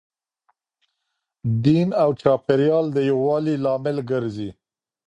دین او چاپیریال د یووالي لامل ګرځي.